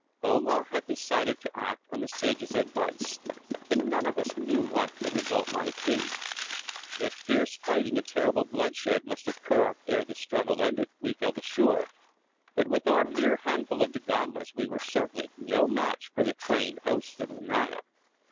Omar had decided to act on the sage's advice, and none of us knew what the result might be. That fierce fighting and terrible bloodshed must occur ere the struggle ended, we felt assured, but with our mere handful of Dagombas we were certainly no match for the trained hosts of the Naya.